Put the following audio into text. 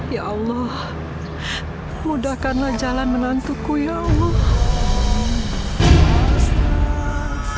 ya allah mudahkanlah jalan menantuku ya allah